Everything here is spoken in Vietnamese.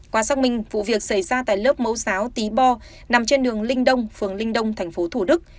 qua xác minh vụ việc xảy ra tại lớp mẫu giáo tý bo nằm trên đường linh đông phường linh đông tp thủ đức